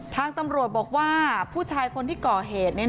ทางตำรวจบอกว่าผู้ชายคนที่ก่อเหตุ